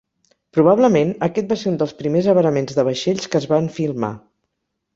Probablement, aquest va ser un dels primers avaraments de vaixells que es van filmar.